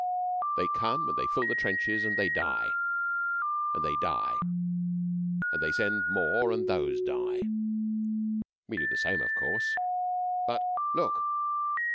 They come and they fill the trenches and they die, and they die; and they send more and those die. We do the same, of course, but look!"